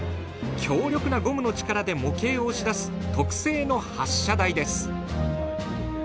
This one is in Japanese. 強力なゴムの力で模型を押し出す特製の発射台です。